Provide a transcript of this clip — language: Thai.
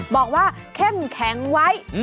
บอกว่าเข้มแข็งไว้